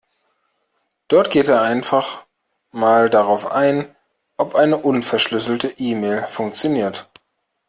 Dort geht er einfach mal darauf ein, ob eine unverschlüsselte E-Mail funktioniert.